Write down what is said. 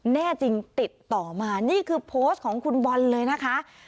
แน่จริงติดต่อมานี่คือโพสต์ของคุณบอลเลยนะคะ